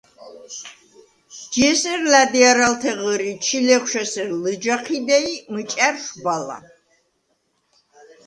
ჯი ესერ ლა̈დჲარალთე ღჷრი, ჩილეღვშ ესერ ლჷჯა ჴიდე ი მჷჭა̈რშვ ბალა.